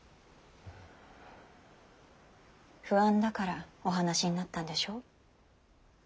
不安だからお話しになったんでしょう。